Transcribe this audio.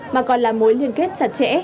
mà còn là mối liên kết chặt chẽ